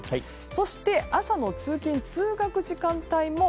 そして、朝の通勤・通学時間帯も